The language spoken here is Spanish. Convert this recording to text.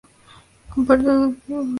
Comparte cuarto con Alex, Piero y Malcolm.